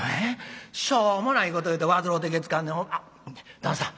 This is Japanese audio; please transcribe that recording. しょうもないこと言うて患うてけつかんねんあっ旦さん